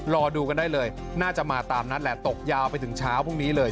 รอดูกันได้เลยน่าจะมาตามนัดแหละตกยาวไปถึงเช้าพรุ่งนี้เลย